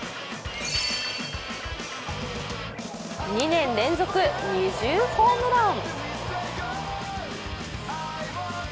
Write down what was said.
２年連続２０ホームラン。